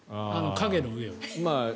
影の上を。